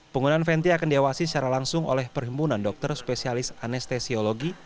penggunaan venti akan diawasi secara langsung oleh perhimpunan dokter spesialis anestesiologi